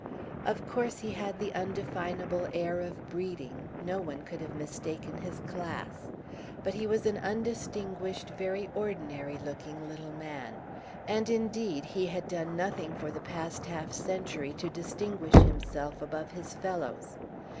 Of course he had the undefinable air of breeding; no one could have mistaken his class. But he was an undistinguished, very ordinary looking little man; and indeed he had done nothing for the past half century to distinguish himself above his fellows.